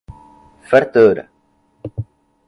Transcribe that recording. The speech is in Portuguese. Fartura